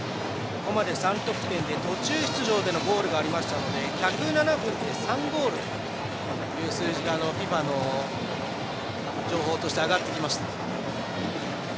ここまで３得点で途中出場でのゴールがありましたので１０７分で３０ゴールという数字がＦＩＦＡの情報としてあがってきました。